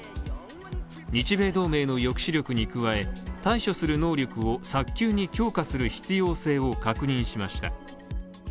日米同盟の抑止力に加え、対処する能力を早急に強化する必要性を確認しました。